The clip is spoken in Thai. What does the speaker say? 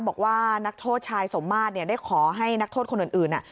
บอกว่านักโทษชายสมมาตรได้ขอให้นักโทษคนอื่น